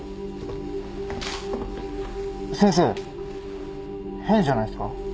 先生変じゃないっすか？